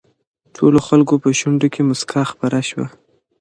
ټولو خلکو په شونډو کې مسکا خپره شوه.